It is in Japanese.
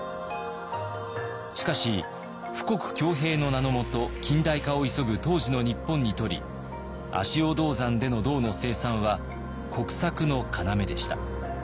しかし富国強兵の名のもと近代化を急ぐ当時の日本にとり足尾銅山での銅の生産は国策の要でした。